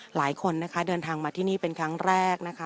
หลายคนนะคะเดินทางมาที่นี่เป็นครั้งแรกนะคะ